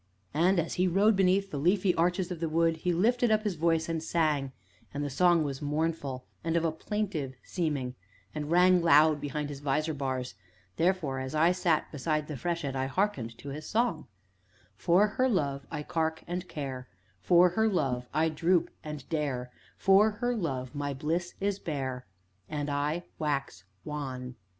And, as he rode beneath the leafy arches of the wood, he lifted up his voice, and sang, and the song was mournful, and of a plaintive seeming, and rang loud behind his visor bars; therefore, as I sat beside the freshet, I hearkened to his song: "For her love I carke, and care, For her love I droop, and dare, For her love my bliss is bare. And I wax wan!"